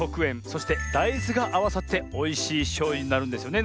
そしてだいずがあわさっておいしいしょうゆになるんですよね